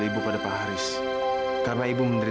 anak kandung haris sendiri